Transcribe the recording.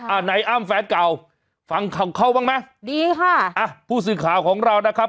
อ่ะไหนอ้ำแฟนเก่าฟังเขาบ้างไหมดีค่ะอ่ะผู้สื่อข่าวของเรานะครับ